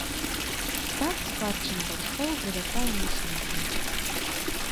Так спадчына бацькоў вылятае на сметнік.